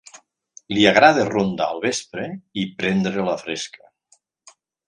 Li agrada rondar al vespre i prendre la fresca.